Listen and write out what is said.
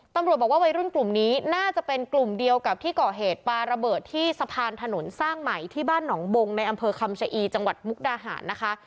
ตำรวจบอกว่าวัยรุ่นกลุ่มนี้น่าจะเป็นกลุ่มเดียวกับที่ก่อเหตุปลาระเบิดที่สะพานถนนสร้างใหม่ที่บ้านหนองบงในอำเภอคำชะอีจังหวัดมุกดาหารนะคะ